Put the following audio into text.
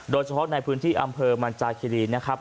โดยเฉพาะในพื้นที่อำเภอมันจาคิรีนะครับ